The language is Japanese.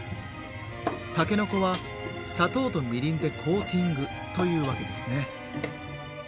たけのこは砂糖とみりんでコーティングというわけですね。